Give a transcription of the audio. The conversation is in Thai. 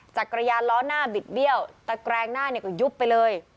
จักรยานล้อหน้าบิดเบี้ยวตะแกรงหน้าเนี่ยก็ยุบไปเลย